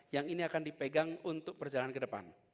yang ini akan dipegang untuk perjalanan ke depan